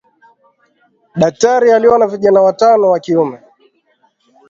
daktari aliona vijana watano wa kiume